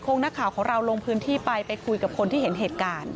นักข่าวของเราลงพื้นที่ไปไปคุยกับคนที่เห็นเหตุการณ์